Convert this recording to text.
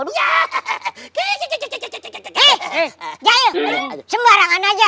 hei jaya sembarangan saja